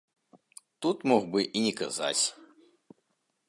Тут мог бы і не казаць.